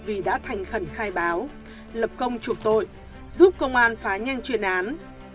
vì đã thành khẩn khai báo lập công chuộc tội giúp công an phá nhanh chuyên án